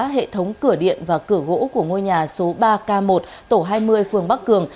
hệ thống cửa điện và cửa gỗ của ngôi nhà số ba k một tổ hai mươi phường bắc cường